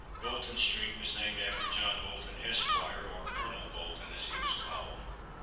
Bolton street was named after John Bolton, Esq., or Colonel Bolton as he was called.